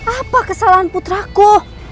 apa kesalahan putraku